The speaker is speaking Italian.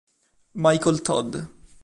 Michael Todd